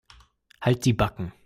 Halt die Backen.